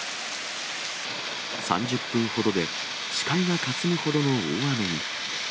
３０分ほどで視界がかすむほどの大雨に。